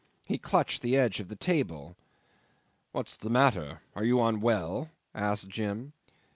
He clutched the edge of the table. "What's the matter? Are you unwell?" asked Jim.